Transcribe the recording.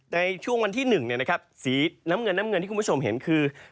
ในช่วงวันที่หนึ่งเนี่ยนะครับสีน้ำเงินน้ำเงินที่คุณผู้ชมเห็นคือ